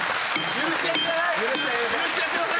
許してやってください。